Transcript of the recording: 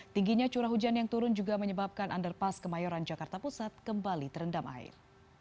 tingginya curah hujan yang turun juga menyebabkan underpass kemayoran jakarta pusat kembali terendam air